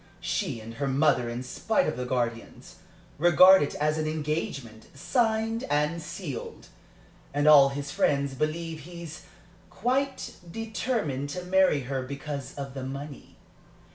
She and her mother, in spite of the guardians, regard it as an engagement signed and sealed, and all his friends believe he's quite determined to marry her because of the money.